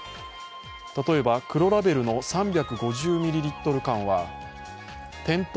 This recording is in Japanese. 例えば黒ラベルの３５０ミリリットル缶は店頭